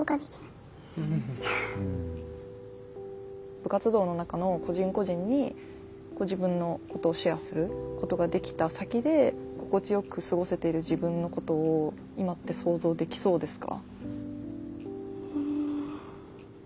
部活動の中の個人個人にご自分のことをシェアすることができた先で心地よく過ごせている自分のことを今って想像できそうですか？